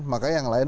makanya yang lain